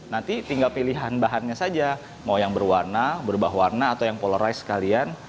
nanti tinggal pilihan bahannya saja mau yang berwarna berubah warna atau yang polarize sekalian